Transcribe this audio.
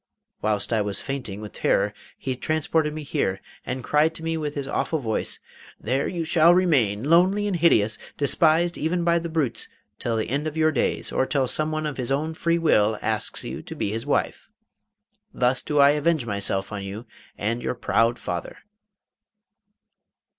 Whilst I was fainting with terror he transported me here, and cried to me with his awful voice: "There shall you remain, lonely and hideous, despised even by the brutes, till the end of your days, or till some one of his own free will asks you to be his wife. Thus do I avenge myself on you and your proud father."